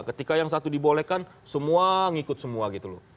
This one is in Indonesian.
ketika yang satu dibolehkan semua ngikut semua gitu loh